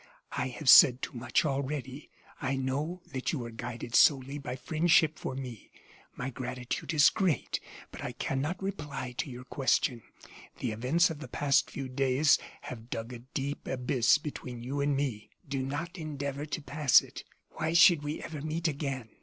I have said too much already. I know that you are guided solely by friendship for me; my gratitude is great, but I cannot reply to your question. The events of the past few days have dug a deep abyss between you and me. Do not endeavor to pass it. Why should we ever meet again?